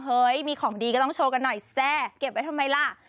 เฮ้ยมีของดีก็ต้องโชว์กันหน่อยแซ่เก็บไว้ทำไมล่ะ